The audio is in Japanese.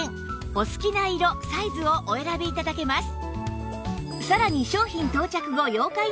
お好きな色・サイズをお選び頂けます